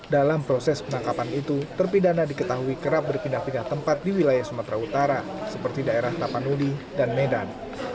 dalam proses penangkapan itu terpidana diketahui kerap berpindah pindah tempat di wilayah sumatera utara seperti daerah tapanuli dan medan